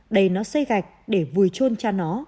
đầy nó xây gạch để vùi trôn cha nó